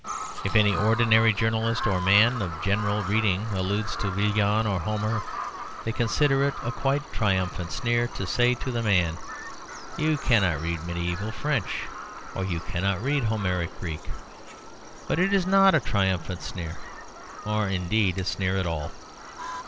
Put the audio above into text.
If any ordinary journalist or man of general reading alludes to Villon or to Homer, they consider it a quite triumphant sneer to say to the man, "You cannot read mediæval French," or "You cannot read Homeric Greek." But it is not a triumphant sneer or, indeed, a sneer at all.